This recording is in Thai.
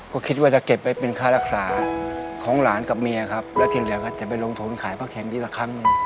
ก็คิดว่าจะเก็บไว้เป็นค่ารักษาของหลานกับเมียครับแล้วที่เหลือก็จะไปลงทุนขายป้าเข็มทีละครั้งหนึ่ง